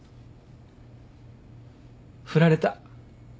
振られた。